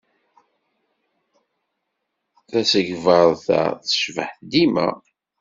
Tasegbart-a tecbeḥ dima.